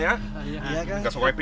ya udah kakaknya sudah selesai